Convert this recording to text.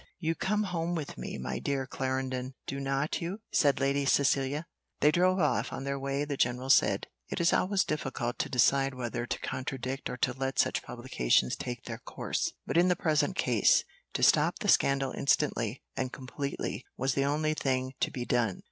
"You come home with me, my dear Clarendon, do not you?" said Lady Cecilia. They drove off. On their way, the general said "It is always difficult to decide whether to contradict or to let such publications take their course: but in the present case, to stop the scandal instantly and completely was the only thing to be done.